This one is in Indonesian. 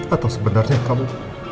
atau sebenarnya kamu